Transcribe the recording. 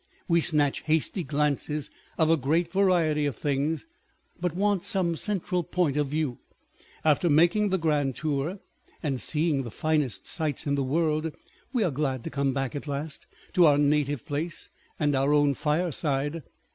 We snatch hasty glances of a great variety of things, but want some central point of view. After making the grand tour, and seeing the finest sights in the world, we are glad to come back at last to our native place and our own fireside.